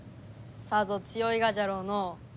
さぞ強いがじゃろうのう？